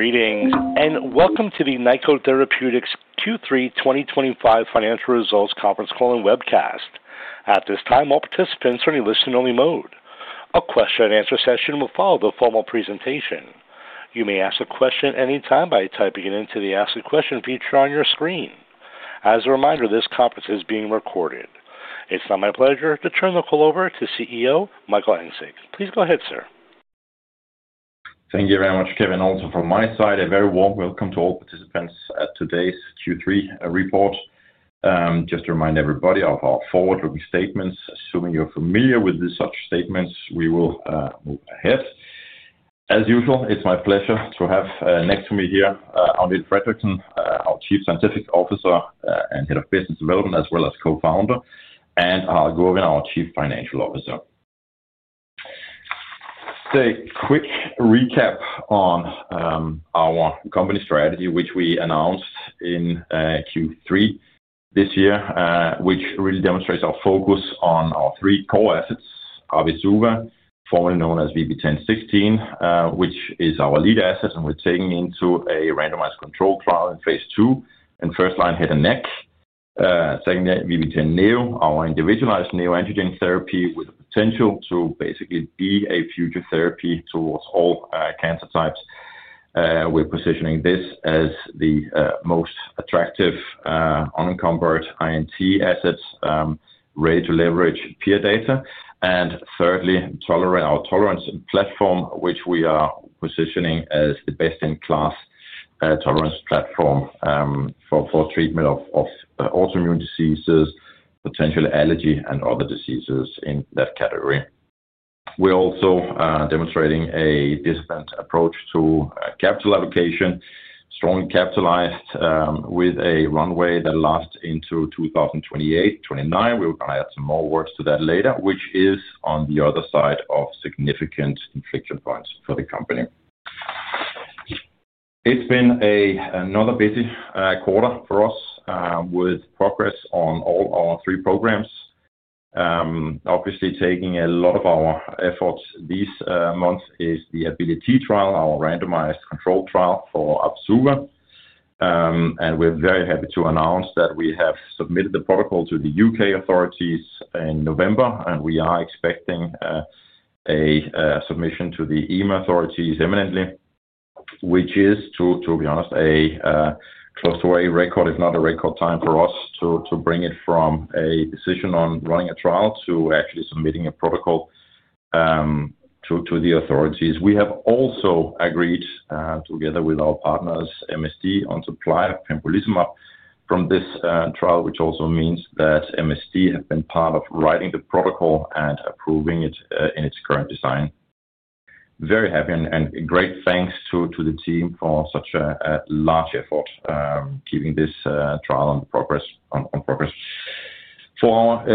Greetings, and welcome to the Nykode Therapeutics Q3 2025 Financial Results Conference Call and Webcast. At this time, all participants are in a listen-only mode. A question-and-answer session will follow the formal presentation. You may ask a question at any time by typing it into the Ask a Question feature on your screen. As a reminder, this conference is being recorded. It's now my pleasure to turn the call over to CEO Michael Engsig. Please go ahead, sir. Thank you very much, Kevin. Also, from my side, a very warm welcome to all participants at today's Q3 report. Just to remind everybody of our forward-looking statements, assuming you're familiar with such statements, we will move ahead. As usual, it's my pleasure to have next to me here Agnete Fredriksen, our Chief Scientific Officer and Head of Business Development, as well as co-founder, and Harald Gurvin, our Chief Financial Officer. A quick recap on our company strategy, which we announced in Q3 this year, which really demonstrates our focus on our three core assets, Abi-suva, formerly known as VB10.16, which is our lead asset, and we're taking it into a randomized control trial in phase II and first-line head and neck. Secondly, VB10.NEO, our individualized neoantigen therapy with the potential to basically be a future therapy towards all cancer types. We're positioning this as the most attractive, unencumbered INT assets, ready to leverage peer data. Thirdly, our tolerance platform, which we are positioning as the best-in-class tolerance platform for treatment of autoimmune diseases, potential allergy, and other diseases in that category. We're also demonstrating a disciplined approach to capital allocation, strongly capitalized with a runway that lasts into 2028-2029. We're going to add some more words to that later, which is on the other side of significant inflection points for the company. It's been another busy quarter for us with progress on all our three programs. Obviously, taking a lot of our efforts this month is the Ability trial, our randomized control trial for Abi-suva. We are very happy to announce that we have submitted the protocol to the U.K. authorities in November, and we are expecting a submission to the EMA authorities imminently, which is, to be honest, close to a record, if not a record time for us to bring it from a decision on running a trial to actually submitting a protocol to the authorities. We have also agreed together with our partners, MSD, on supply of pembrolizumab for this trial, which also means that MSD has been part of writing the protocol and approving it in its current design. Very happy and great thanks to the team for such a large effort keeping this trial on progress. For our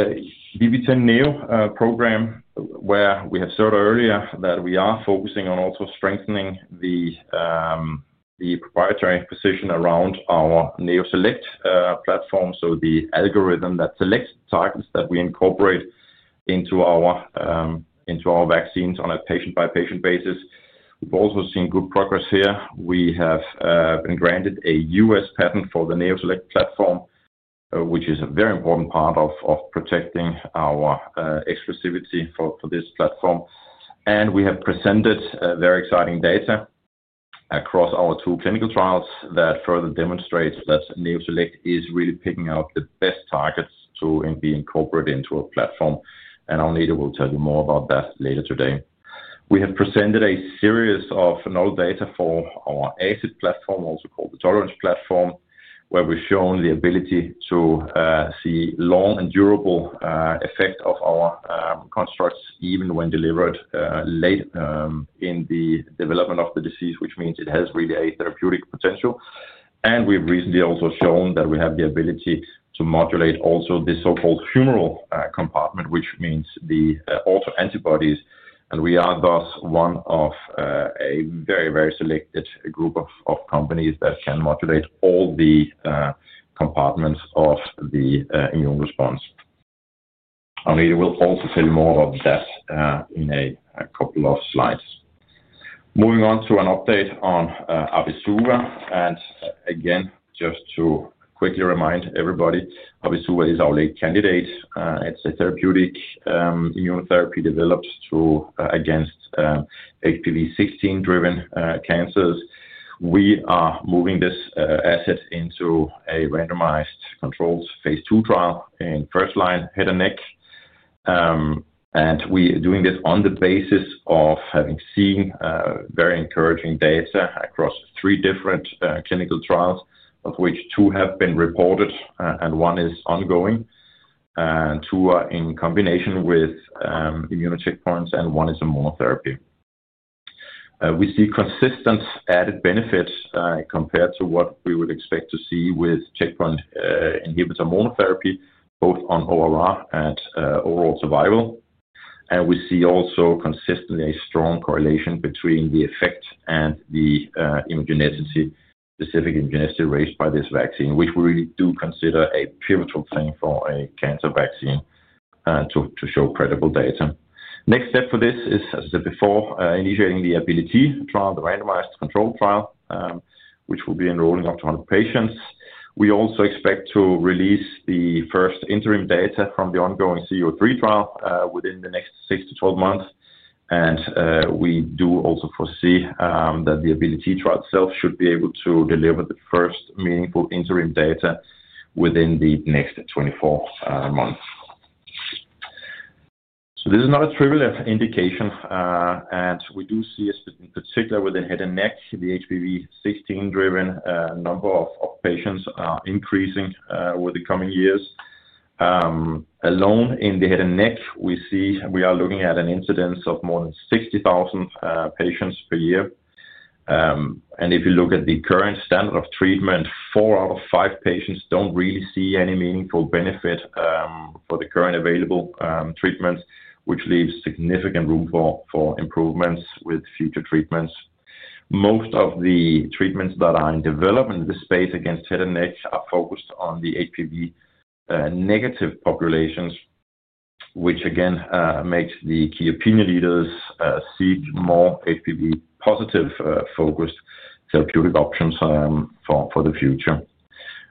VB10.NEO program, where we have said earlier that we are focusing on also strengthening the proprietary position around our NeoSELECT platform, the algorithm that selects targets that we incorporate into our vaccines on a patient-by-patient basis. We have also seen good progress here. We have been granted a U.S. patent for the NeoSELECTt platform, which is a very important part of protecting our exclusivity for this platform. We have presented very exciting data across our two clinical trials that further demonstrates that NeoSELECT is really picking out the best targets to be incorporated into a platform. Arnold will tell you more about that later today. We have presented a series of null data for our ACID platform, also called the Tolerance platform, where we've shown the ability to see long and durable effect of our constructs even when delivered late in the development of the disease, which means it has really a therapeutic potential. We've recently also shown that we have the ability to modulate also the so-called humoral compartment, which means the autoantibodies. We are thus one of a very, very selected group of companies that can modulate all the compartments of the immune response. Agnete will also tell you more about that in a couple of slides. Moving on to an update on Abi-suva. Just to quickly remind everybody, Abi-suva is our lead candidate. It's a therapeutic immunotherapy developed against HPV16-driven cancers. We are moving this asset into a randomized controlled phase II trial in first-line head and neck. We are doing this on the basis of having seen very encouraging data across three different clinical trials, of which two have been reported and one is ongoing, and two are in combination with immuno checkpoints, and one is a monotherapy. We see consistent added benefits compared to what we would expect to see with checkpoint inhibitor monotherapy, both on ORR and overall survival. We see also consistently a strong correlation between the effect and the specific immunogenicity raised by this vaccine, which we do consider a pivotal thing for a cancer vaccine to show credible data. The next step for this is, as I said before, initiating the Ability trial, the randomized control trial, which will be enrolling up to 100 patients. We also expect to release the first interim data from the ongoing CO3 trial within the next six-12 months. We do also foresee that the Ability trial itself should be able to deliver the first meaningful interim data within the next 24 months. This is not a trivial indication. We do see, in particular with the head and neck, the HPV16-driven number of patients increasing over the coming years. Alone in the head and neck, we are looking at an incidence of more than 60,000 patients per year. If you look at the current standard of treatment, four out of five patients do not really see any meaningful benefit for the current available treatments, which leaves significant room for improvements with future treatments. Most of the treatments that are in development in this space against head and neck are focused on the HPV-negative populations, which again makes the key opinion leaders seek more HPV-positive focused therapeutic options for the future.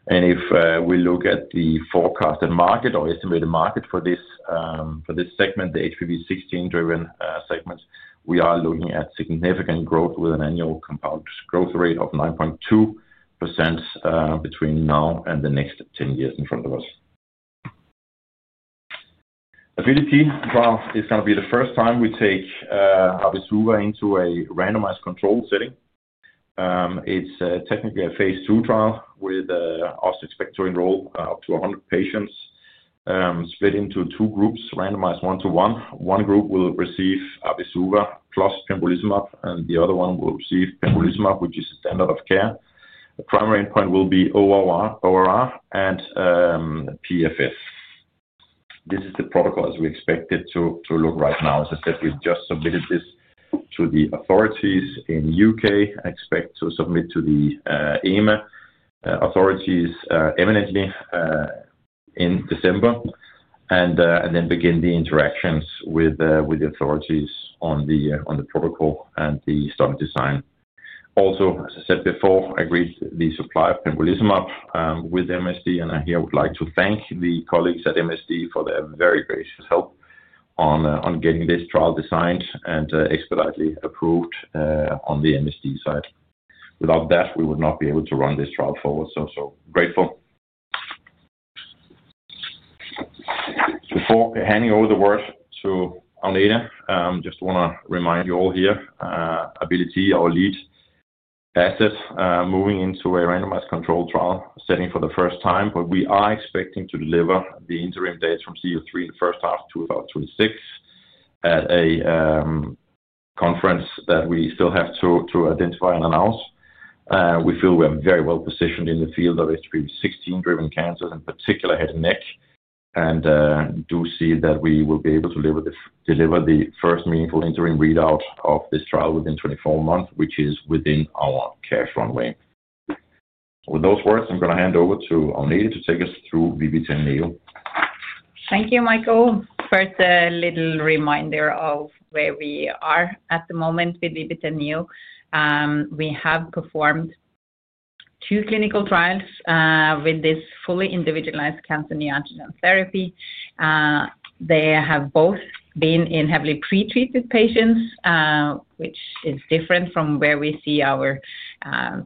If we look at the forecasted market or estimated market for this segment, the HPV16-driven segment, we are looking at significant growth with an annual compound growth rate of 9.2% between now and the next 10 years in front of us. Ability trial is going to be the first time we take Abi-suva into a randomized control setting. It's technically a phase two trial with us expect to enroll up to 100 patients split into two groups, randomized one-to-one. One group will receive Abi-suva plus Pembrolizumab, and the other one will receive Pembrolizumab, which is a standard of care. The primary endpoint will be ORR and PFS. This is the protocol as we expect it to look right now. As I said, we've just submitted this to the authorities in the U.K. I expect to submit to the EMA authorities imminently in December and then begin the interactions with the authorities on the protocol and the start of design. Also, as I said before, I agreed to the supply of Pembrolizumab with MSD. I here would like to thank the colleagues at MSD for their very gracious help on getting this trial designed and expeditedly approved on the MSD side. Without that, we would not be able to run this trial forward. Grateful. Before handing over the word to Agnete, I just want to remind you all here, Ability, our lead asset, moving into a randomized control trial setting for the first time. We are expecting to deliver the interim data from CO3 in the first half of 2026 at a conference that we still have to identify and announce. We feel we are very well positioned in the field of HPV16-driven cancers, in particular head and neck, and do see that we will be able to deliver the first meaningful interim readout of this trial within 24 months, which is within our cash runway. With those words, I'm going to hand over to Agnete to take us through VB10.NEO. Thank you, Michael, for the little reminder of where we are at the moment with VB10.NEO. We have performed two clinical trials with this fully individualized cancer neoadjuvant therapy. They have both been in heavily pretreated patients, which is different from where we see our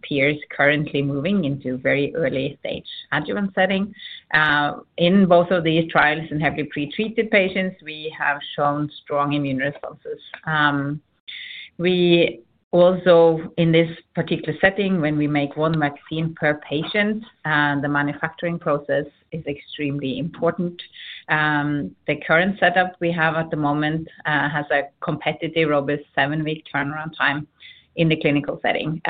peers currently moving into very early-stage adjuvant setting. In both of these trials in heavily pretreated patients, we have shown strong immune responses. We also, in this particular setting, when we make one vaccine per patient, the manufacturing process is extremely important. The current setup we have at the moment has a competitive, robust seven-week turnaround time in the clinical setting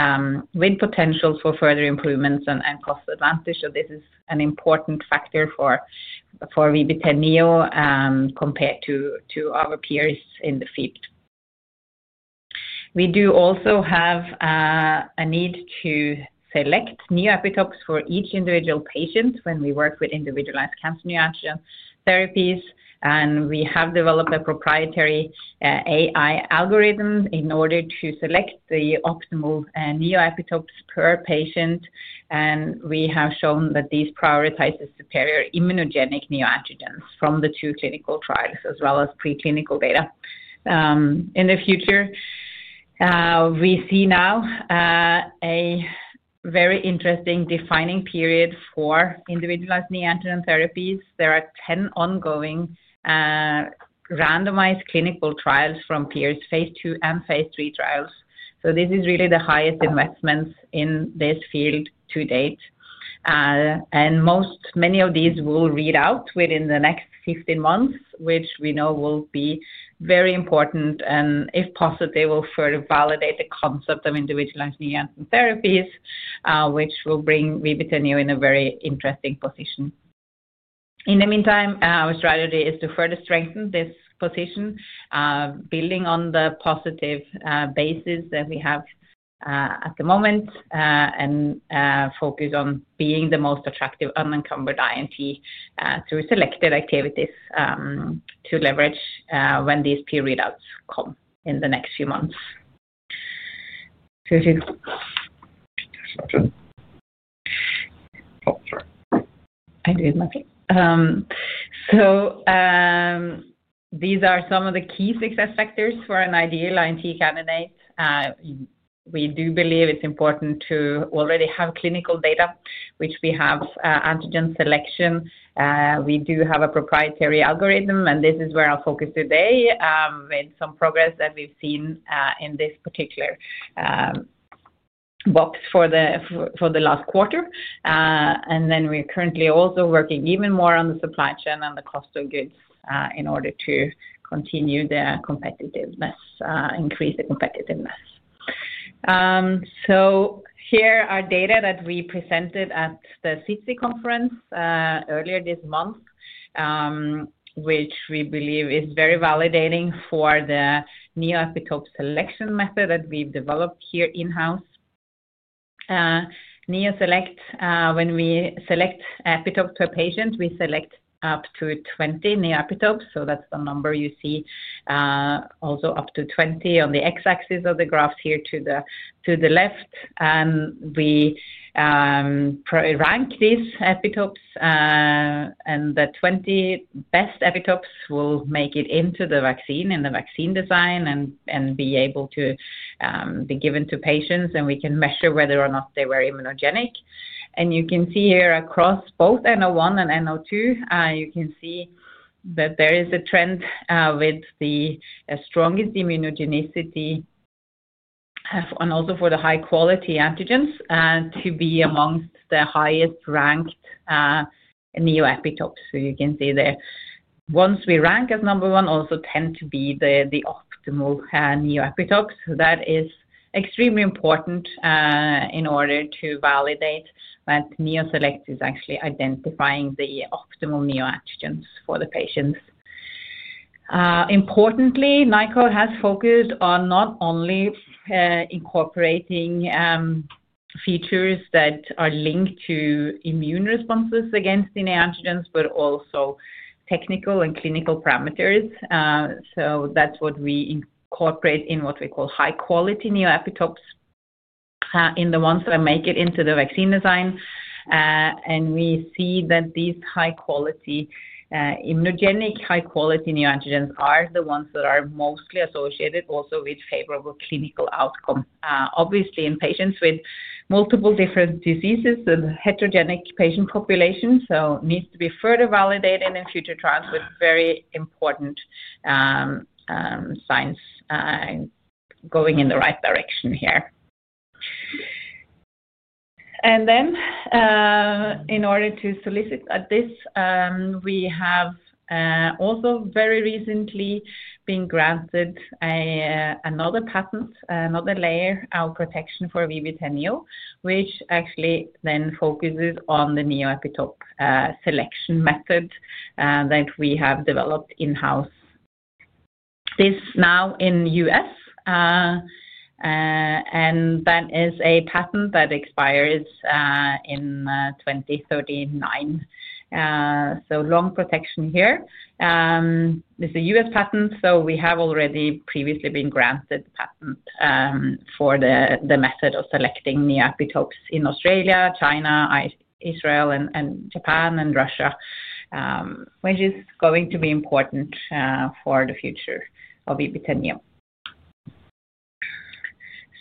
with potential for further improvements and cost advantage. This is an important factor for VB10 Neo compared to our peers in the field. We do also have a need to select neoepitopes for each individual patient when we work with individualized cancer neoadjuvant therapies. We have developed a proprietary AI algorithm in order to select the optimal neoepitopes per patient. We have shown that these prioritize the superior immunogenic neoadjuvants from the two clinical trials, as well as preclinical data. In the future, we see now a very interesting defining period for individualized neoadjuvant therapies. There are 10 ongoing randomized clinical trials from peers, phase II and phase III trials. This is really the highest investments in this field to date. Many of these will read out within the next 15 months, which we know will be very important and, if possible, will further validate the concept of individualized neoadjuvant therapies, which will bring VB10.NEO in a very interesting position. In the meantime, our strategy is to further strengthen this position, building on the positive basis that we have at the moment and focus on being the most attractive unencumbered INT through selected activities to leverage when these peer readouts come in the next few months. These are some of the key success factors for an ideal INT candidate. We do believe it's important to already have clinical data, which we have antigen selection. We do have a proprietary algorithm, and this is where our focus today with some progress that we've seen in this particular box for the last quarter. We are currently also working even more on the supply chain and the cost of goods in order to continue the increase in competitiveness. Here are data that we presented at the CITSI conference earlier this month, which we believe is very validating for the neoepitope selection method that we've developed here in-house. NeoSELECt, when we select epitopes per patient, we select up to 20 neoepitopes. That's the number you see also up to 20 on the x-axis of the graph here to the left. We rank these epitopes, and the 20 best epitopes will make it into the vaccine and the vaccine design and be able to be given to patients, and we can measure whether or not they were immunogenic. You can see here across both NO1 and NO2, you can see that there is a trend with the strongest immunogenicity and also for the high-quality antigens to be amongst the highest-ranked neoepitopes. You can see there, once we rank as number one, also tend to be the optimal neoepitopes. That is extremely important in order to validate that NeoSELECT is actually identifying the optimal neoantigens for the patients. Importantly, Nykode has focused on not only incorporating features that are linked to immune responses against the neoantigens, but also technical and clinical parameters. That is what we incorporate in what we call high-quality neoepitopes in the ones that make it into the vaccine design. We see that these high-quality immunogenic, high-quality neoantigens are the ones that are mostly associated also with favorable clinical outcome. Obviously, in patients with multiple different diseases, the heterogenic patient population needs to be further validated in future trials with very important signs going in the right direction here. In order to solicit this, we have also very recently been granted another patent, another layer, our protection for VB10.NEO, which actually then focuses on the neoepitope selection method that we have developed in-house. This is now in the U.S., and that is a patent that expires in 2039. Long protection here. This is a U.S. patent, so we have already previously been granted patent for the method of selecting neoepitopes in Australia, China, Israel, Japan, and Russia, which is going to be important for the future of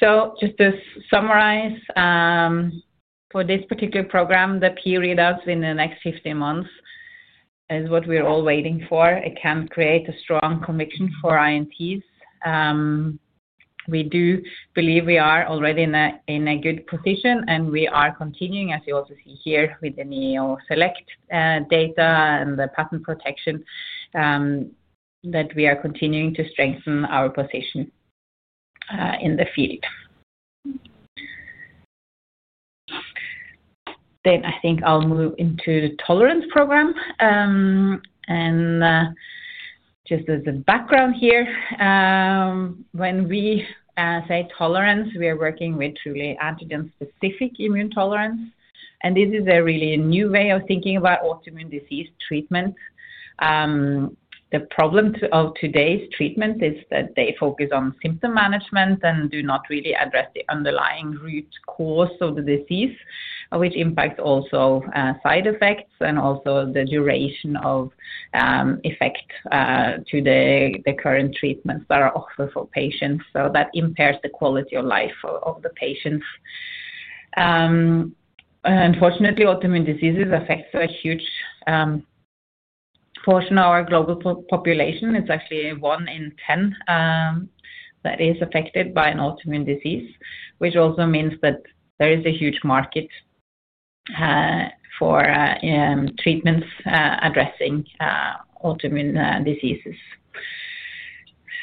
VB10.NEO. Just to summarize, for this particular program, the peer readouts in the next 15 months is what we're all waiting for. It can create a strong conviction for INTs. We do believe we are already in a good position, and we are continuing, as you also see here, with the NeoSELECT data and the patent protection that we are continuing to strengthen our position in the field. I think I'll move into the tolerance program. Just as a background here, when we say tolerance, we are working with truly antigen-specific immune tolerance. This is a really new way of thinking about autoimmune disease treatment. The problem of today's treatment is that they focus on symptom management and do not really address the underlying root cause of the disease, which impacts also side effects and also the duration of effect to the current treatments that are offered for patients. That impairs the quality of life of the patients. Unfortunately, autoimmune diseases affect a huge portion of our global population. It's actually one in 10 that is affected by an autoimmune disease, which also means that there is a huge market for treatments addressing autoimmune diseases.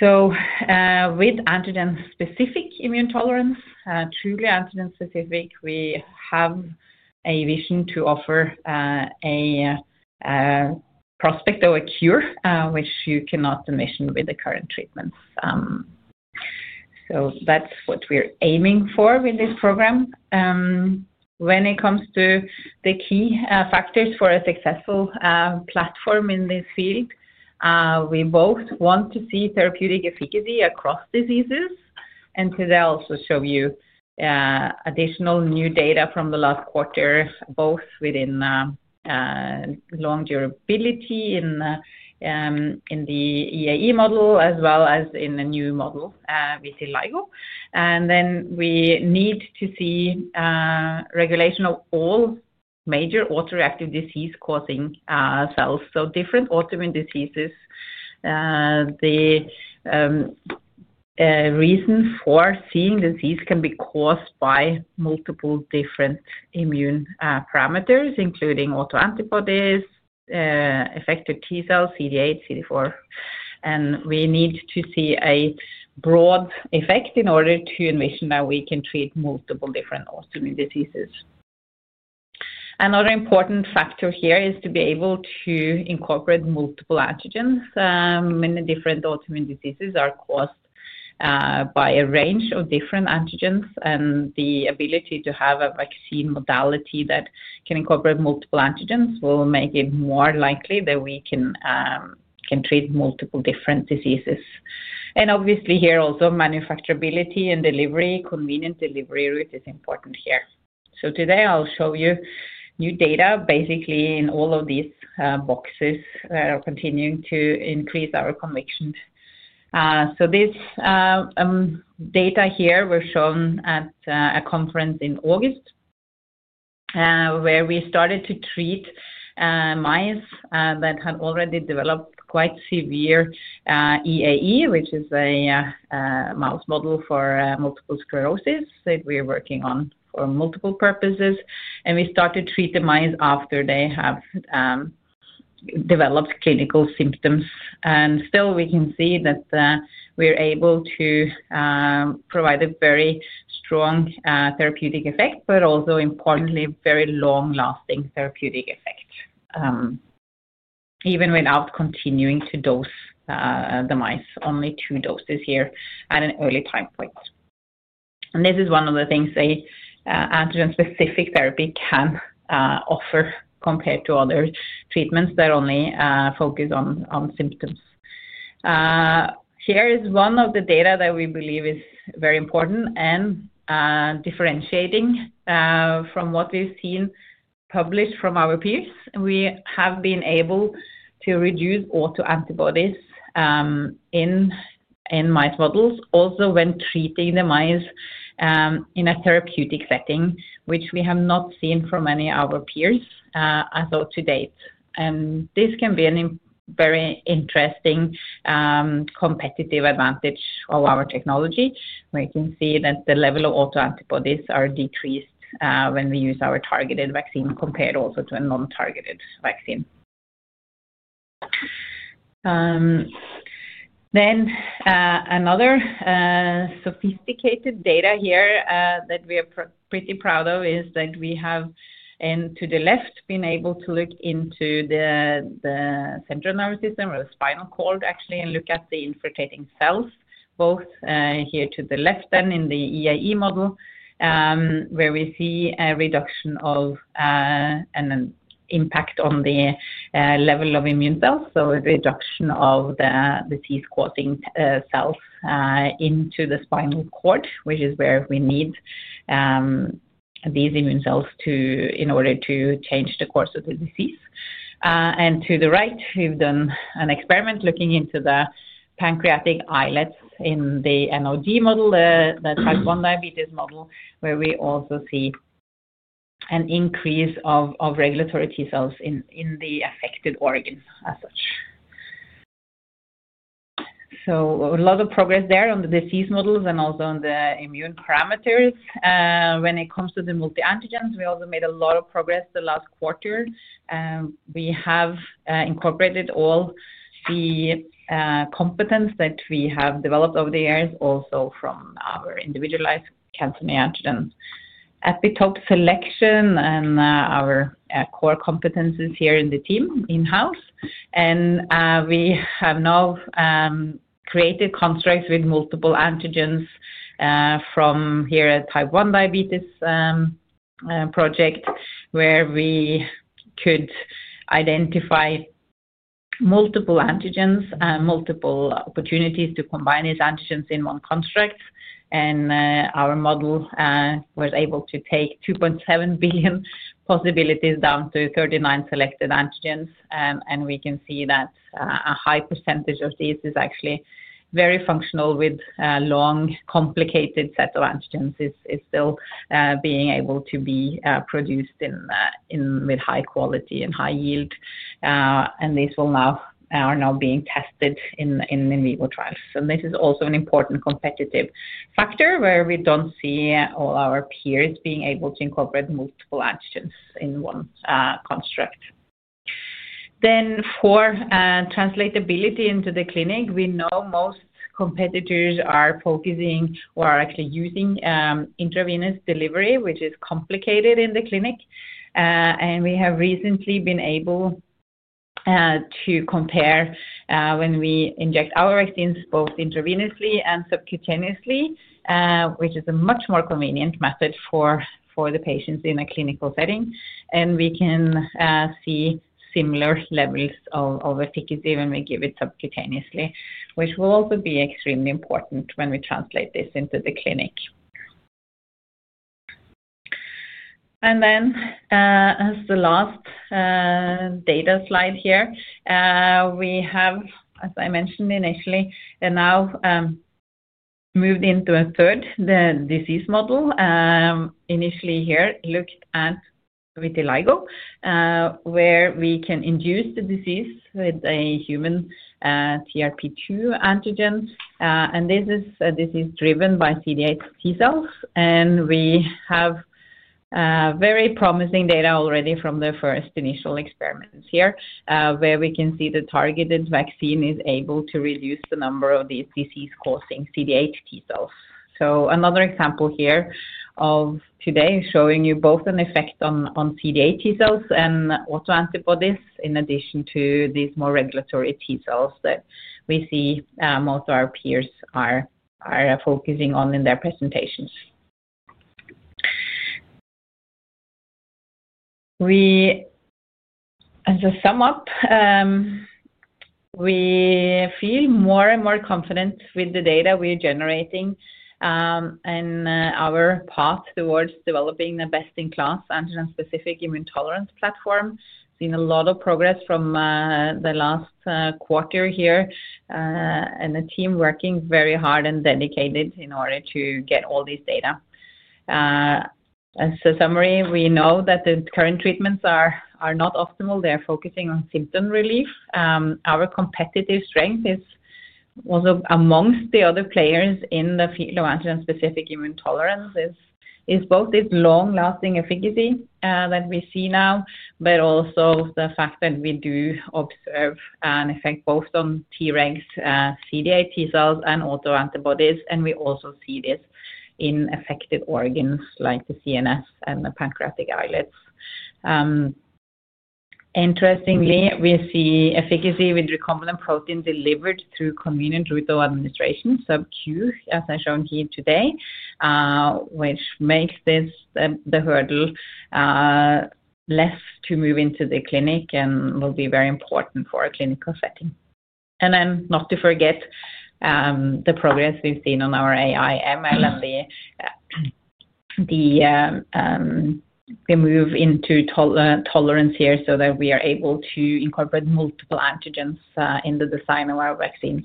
With antigen-specific immune tolerance, truly antigen-specific, we have a vision to offer a prospect of a cure, which you cannot envision with the current treatments. That's what we're aiming for with this program. When it comes to the key factors for a successful platform in this field, we both want to see therapeutic efficacy across diseases. Today, I'll also show you additional new data from the last quarter, both within long durability in the EAE model as well as in the new model with the LIG model. We need to see regulation of all major autoreactive disease-causing cells. Different autoimmune diseases, the reason for seeing disease can be caused by multiple different immune parameters, including autoantibodies, affected T cells, CD8, CD4. We need to see a broad effect in order to envision that we can treat multiple different autoimmune diseases. Another important factor here is to be able to incorporate multiple antigens. Many different autoimmune diseases are caused by a range of different antigens, and the ability to have a vaccine modality that can incorporate multiple antigens will make it more likely that we can treat multiple different diseases. Obviously, here also, manufacturability and delivery, convenient delivery route is important here. Today, I'll show you new data, basically in all of these boxes that are continuing to increase our conviction. This data here was shown at a conference in August where we started to treat mice that had already developed quite severe EAE, which is a mouse model for multiple sclerosis that we're working on for multiple purposes. We started to treat the mice after they have developed clinical symptoms. Still, we can see that we're able to provide a very strong therapeutic effect, but also, importantly, a very long-lasting therapeutic effect, even without continuing to dose the mice, only two doses here at an early time point. This is one of the things an antigen-specific therapy can offer compared to other treatments that only focus on symptoms. Here is one of the data that we believe is very important. Differentiating from what we've seen published from our peers, we have been able to reduce autoantibodies in mice models also when treating the mice in a therapeutic setting, which we have not seen from any of our peers as of to date. This can be a very interesting competitive advantage of our technology, where you can see that the level of autoantibodies are decreased when we use our targeted vaccine compared also to a non-targeted vaccine. Another sophisticated data here that we are pretty proud of is that we have, to the left, been able to look into the central nervous system or the spinal cord, actually, and look at the infiltrating cells, both here to the left then in the EAE model, where we see a reduction of an impact on the level of immune cells, a reduction of the disease-causing cells into the spinal cord, which is where we need these immune cells in order to change the course of the disease. To the right, we've done an experiment looking into the pancreatic islets in the, the Type 1 Diabetes model, where we also see an increase of regulatory T cells in the affected organ as such. A lot of progress there on the disease models and also on the immune parameters. When it comes to the multi-antigens, we also made a lot of progress the last quarter. We have incorporated all the competence that we have developed over the years also from our individualized cancer neoantigen epitope selection and our core competencies here in the team in-house. We have now created constructs with multiple antigens from here at Type 1 Diabetes project, where we could identify multiple antigens and multiple opportunities to combine these antigens in one construct. Our model was able to take 2.7 billion possibilities down to 39 selected antigens. We can see that a high percentage of these is actually very functional with long complicated sets of antigens still being able to be produced with high quality and high yield. These are now being tested in vivo trials. This is also an important competitive factor where we do not see all our peers being able to incorporate multiple antigens in one construct. For translatability into the clinic, we know most competitors are focusing or are actually using intravenous delivery, which is complicated in the clinic. We have recently been able to compare when we inject our vaccines both intravenously and subcutaneously, which is a much more convenient method for the patients in a clinical setting. We can see similar levels of efficacy when we give it subcutaneously, which will also be extremely important when we translate this into the clinic. As the last data slide here, we have, as I mentioned initially, now moved into a third, the disease model. Initially here, looked at with the LIG model, where we can induce the disease with a human TRP2 antigen. This is driven by CD8 T cells. We have very promising data already from the first initial experiments here, where we can see the targeted vaccine is able to reduce the number of these disease-causing CD8 T cells. Another example here today shows you both an effect on CD8 T cells and autoantibodies, in addition to these more regulatory T cells that we see most of our peers are focusing on in their presentations. As a sum up, we feel more and more confident with the data we're generating and our path towards developing the best-in-class antigen-specific immune tolerance platform. We've seen a lot of progress from the last quarter here, and the team is working very hard and dedicated in order to get all this data. As a summary, we know that the current treatments are not optimal. They are focusing on symptom relief. Our competitive strength is also amongst the other players in the field of antigen-specific immune tolerance is both this long-lasting efficacy that we see now, but also the fact that we do observe an effect both on Treg's, CD8 T cells, and autoantibodies. We also see this in affected organs like the CNS and the pancreatic islets. Interestingly, we see efficacy with recombinant protein delivered through convenient route of administration, subQ, as I showed here today, which makes this the hurdle less to move into the clinic and will be very important for our clinical setting. Not to forget the progress we've seen on our AIML and the move into tolerance here so that we are able to incorporate multiple antigens in the design of our vaccines.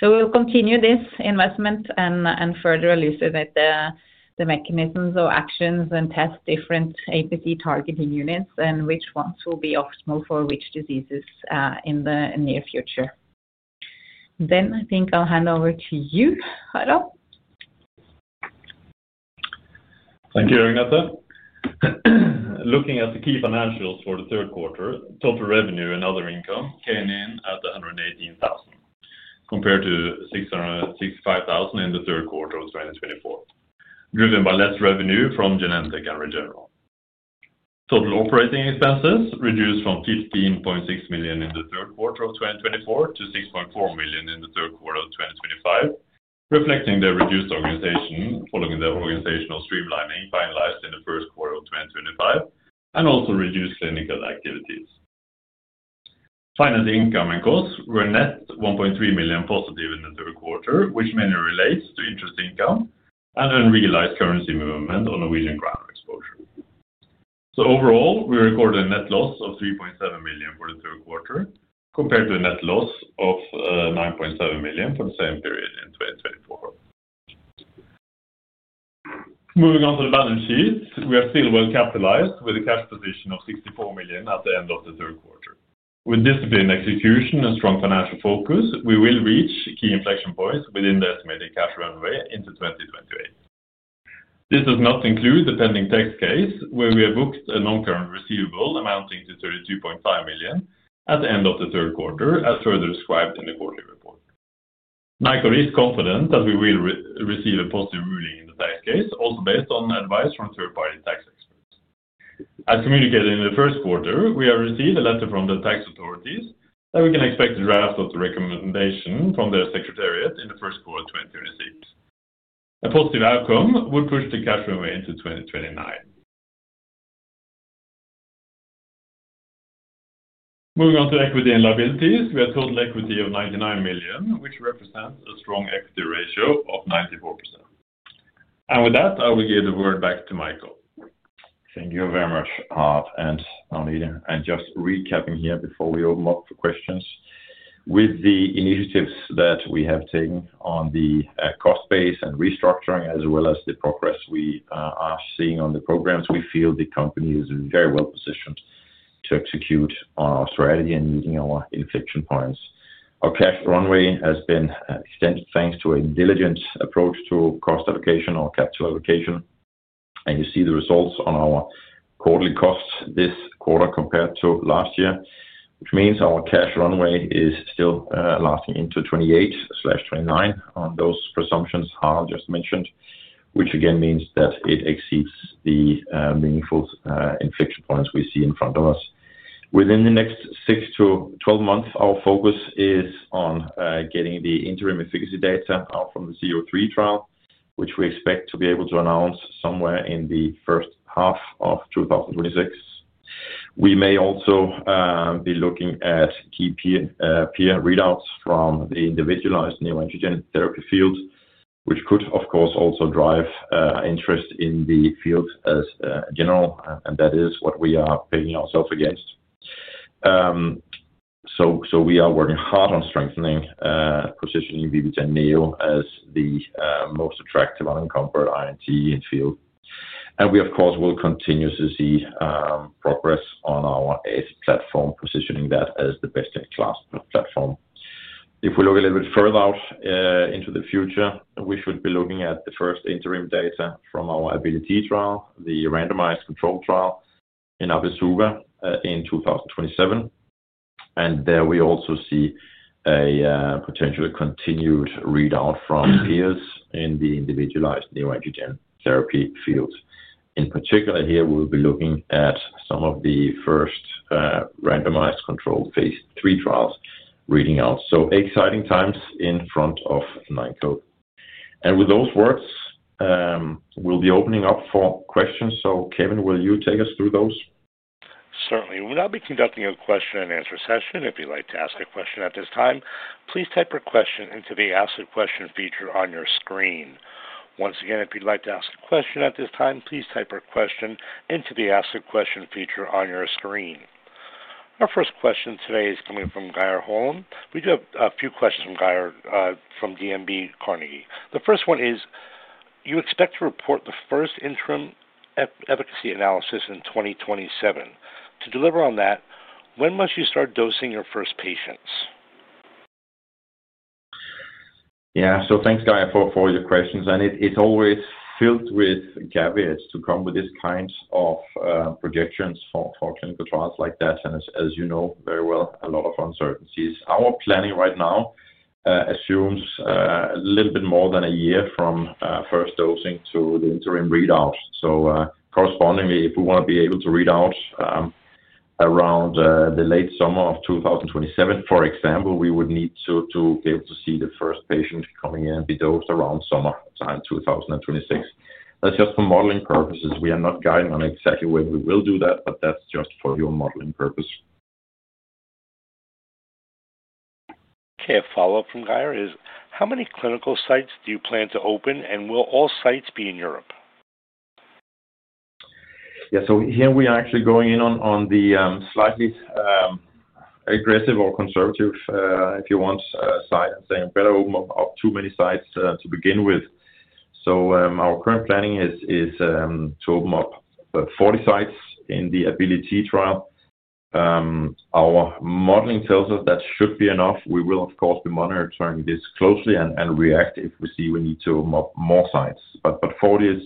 We'll continue this investment and further elucidate the mechanisms of actions and test different APC targeting units and which ones will be optimal for which diseases in the near future. I think I'll hand over to you, Harald. Thank you, Agnete. Looking at the key financials for the third quarter, total revenue and other income came in at 118,000, compared to 665,000 in the third quarter of 2024, driven by less revenue from Genentech and Regeneron. Total operating expenses reduced from 15.6 million in the third quarter of 2024 to 6.4 million in the third quarter of 2025, reflecting the reduced organization following the organizational streamlining finalized in the first quarter of 2025, and also reduced clinical activities. Finally, income and costs were net 1.3 million positive in the third quarter, which mainly relates to interest income and unrealized currency movement on Norwegian krone exposure. Overall, we recorded a net loss of 3.7 million for the third quarter compared to a net loss of 9.7 million for the same period in 2024. Moving on to the balance sheet, we are still well capitalized with a cash position of 64 million at the end of the third quarter. With disciplined execution and strong financial focus, we will reach key inflection points within the estimated cash runway into 2028. This does not include the pending tax case where we have booked a non-current receivable amounting to 32.5 million at the end of the third quarter, as further described in the quarterly report. Nykode is confident that we will receive a positive ruling in the tax case, also based on advice from third-party tax experts. As communicated in the first quarter, we have received a letter from the tax authorities that we can expect a draft of the recommendation from their secretariat in the first quarter of 2026. A positive outcome would push the cash runway into 2029. Moving on to equity and liabilities, we have total equity of 99 million, which represents a strong equity ratio of 94%. I will give the word back to Michael. Thank you very much, Harald and Agnete. Just recapping here before we open up for questions. With the initiatives that we have taken on the cost base and restructuring, as well as the progress we are seeing on the programs, we feel the company is very well positioned to execute on our strategy and meeting our inflection points. Our cash runway has been extended thanks to a diligent approach to cost allocation or capital allocation. You see the results on our quarterly costs this quarter compared to last year, which means our cash runway is still lasting into 2028/2029 on those presumptions Harald just mentioned, which again means that it exceeds the meaningful inflection points we see in front of us. Within the next six-12 months, our focus is on getting the interim efficacy data from the CO3 trial, which we expect to be able to announce somewhere in the first half of 2026. We may also be looking at key peer readouts from the individualized neoantigen therapy field, which could, of course, also drive interest in the field as a general, and that is what we are pegging ourselves against. We are working hard on strengthening positioning VB10.NEO as the most attractive and uncommon INT in the field. We, of course, will continue to see progress on our AIS platform, positioning that as the best-in-class platform. If we look a little bit further out into the future, we should be looking at the first interim data from our Ability trial, the randomized control trial in Abi-suva in 2027. There we also see a potential continued readout from peers in the individualized neoantigen therapy field. In particular, here we'll be looking at some of the first randomized control phase three trials reading out. Exciting times in front of Nykode. With those words, we'll be opening up for questions. Kevin, will you take us through those? Certainly. We'll now be conducting a question and answer session. If you'd like to ask a question at this time, please type your question into the asked question feature on your screen. Once again, if you'd like to ask a question at this time, please type your question into the asked question feature on your screen. Our first question today is coming from Geir Holm. We do have a few questions from Geir from DNB Carnegie. The first one is, you expect to report the first interim efficacy analysis in 2027. To deliver on that, when must you start dosing your first patients? Yeah. Thanks, Geir, for all your questions. It's always filled with caveats to come with these kinds of projections for clinical trials like that. As you know very well, a lot of uncertainties. Our planning right now assumes a little bit more than a year from first dosing to the interim readout. Correspondingly, if we want to be able to read out around the late summer of 2027, for example, we would need to be able to see the first patient coming in and be dosed around summer time 2026. That is just for modeling purposes. We are not guiding on exactly when we will do that, but that is just for your modeling purpose. Okay. A follow-up from Geir is, how many clinical sites do you plan to open, and will all sites be in Europe? Yeah. Here we are actually going in on the slightly aggressive or conservative, if you want, side and saying we better open up too many sites to begin with. Our current planning is to open up 40 sites in the Ability trial. Our modeling tells us that should be enough. We will, of course, be monitoring this closely and react if we see we need to open up more sites. Forty is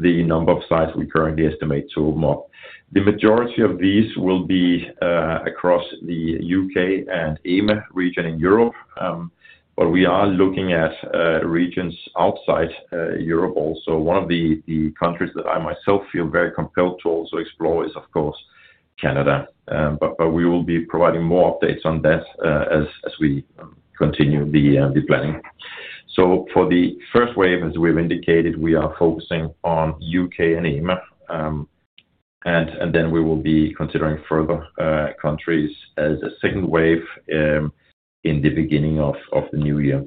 the number of sites we currently estimate to open up. The majority of these will be across the U.K. and EMEA region in Europe, but we are looking at regions outside Europe also. One of the countries that I myself feel very compelled to also explore is, of course, Canada. We will be providing more updates on that as we continue the planning. For the first wave, as we have indicated, we are focusing on the U.K. and EMEA. We will be considering further countries as a second wave in the beginning of the new year.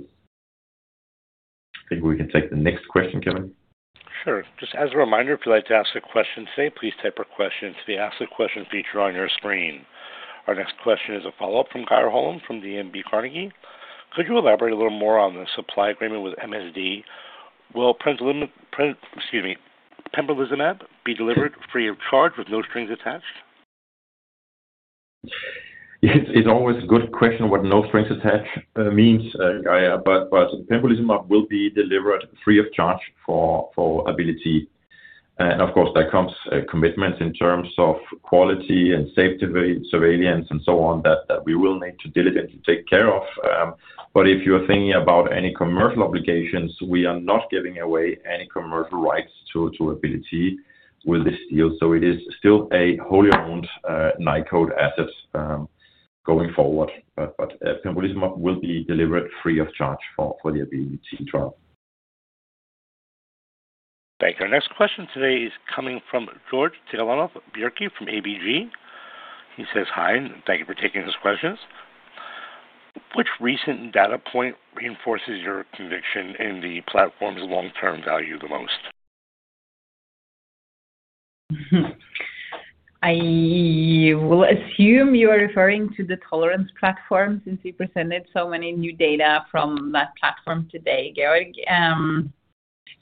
I think we can take the next question, Kevin. Sure. Just as a reminder, if you'd like to ask a question today, please type your question into the ask question feature on your screen. Our next question is a follow-up from Geir Holm from DNB Carnegie. Could you elaborate a little more on the supply agreement with MSD? Will pembrolizumab be delivered free of charge with no strings attached? It's always a good question what no strings attached means. Pembrolizumab will be delivered free of charge for Ability. Of course, that comes with commitments in terms of quality and safety surveillance and so on that we will need to diligently take care of. If you're thinking about any commercial obligations, we are not giving away any commercial rights to Ability with this deal. It is still a wholly owned Nykode asset going forward. Pembrolizumab will be delivered free of charge for the Ability trial. Thank you. Our next question today is coming from George Tillonov Bjorky from ABG. He says, "Hi, and thank you for taking his questions." Which recent data point reinforces your conviction in the platform's long-term value the most? I will assume you are referring to the tolerance platform since we presented so many new data from that platform today, George.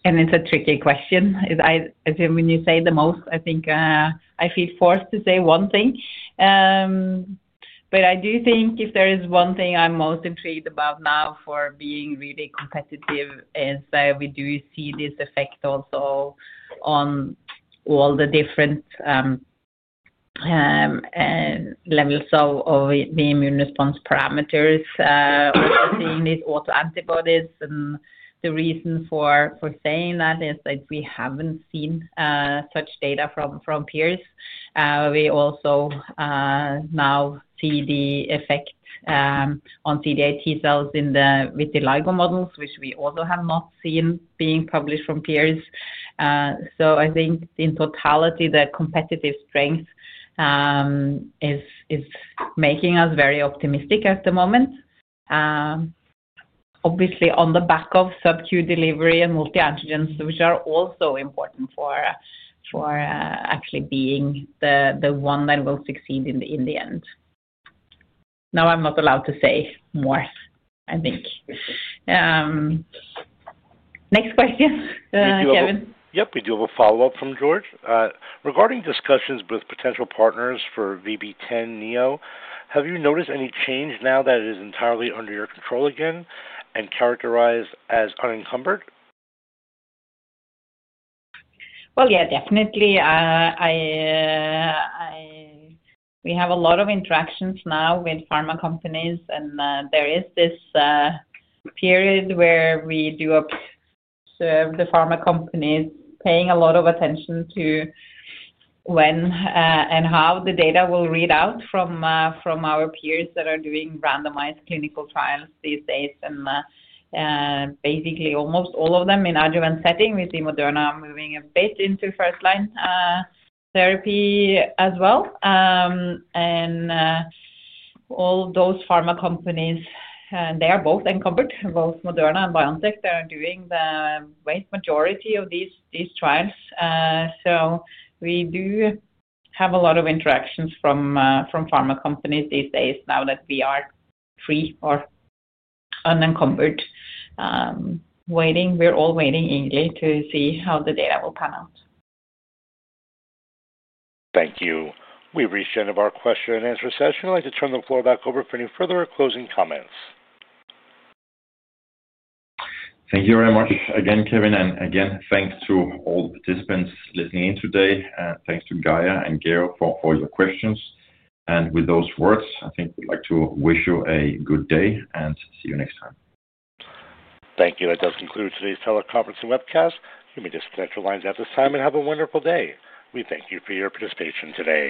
It is a tricky question. I assume when you say the most, I think I feel forced to say one thing. I do think if there is one thing I am most intrigued about now for being really competitive, it is that we do see this effect also on all the different levels of the immune response parameters. We are seeing these autoantibodies. The reason for saying that is that we have not seen such data from peers. We also now see the effect on CD8 T cells with the LIG model, which we also have not seen being published from peers. I think in totality, the competitive strength is making us very optimistic at the moment. Obviously, on the back of subQ delivery and multi-antigens, which are also important for actually being the one that will succeed in the end. Now I'm not allowed to say more, I think. Next question, Kevin. Yep. We do have a follow-up from George. Regarding discussions with potential partners for VB10.NEO, have you noticed any change now that it is entirely under your control again and characterized as unencumbered? Yeah, definitely. We have a lot of interactions now with pharma companies, and there is this period where we do observe the pharma companies paying a lot of attention to when and how the data will read out from our peers that are doing randomized clinical trials these days. Basically, almost all of them in adjuvant setting with Moderna moving a bit into first-line therapy as well. All those pharma companies, they are both encumbered, both Moderna and BioNTech, that are doing the vast majority of these trials. We do have a lot of interactions from pharma companies these days now that we are free or unencumbered waiting. We're all waiting eagerly to see how the data will pan out. Thank you. We've reached the end of our question and answer session. I'd like to turn the floor back over for any further closing comments. Thank you very much again, Kevin. Again, thanks to all the participants listening in today. Thanks to Geir and George for all your questions. With those words, I think we'd like to wish you a good day and see you next time. Thank you. That does conclude today's teleconference and webcast. Let me just stretch our lines at this time and have a wonderful day. We thank you for your participation today.